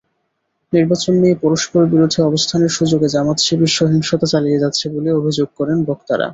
নির্বাচন নিয়ে পরস্পরবিরোধী অবস্থানের সুযোগে জামায়াত-শিবির সহিংসতা চালিয়ে যাচ্ছে বলে অভিযোগ করেন বক্তারা।